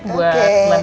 buat lemon madunya